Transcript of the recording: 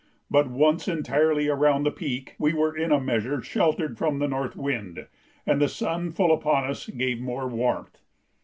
But once entirely around the peak we were in a measure sheltered from the north wind, and the sun full upon us gave more warmth.